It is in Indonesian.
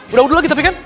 udah udu lagi tapi kan